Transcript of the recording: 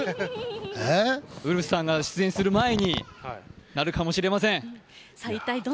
ウルフさんが出演する前になるかもしれません。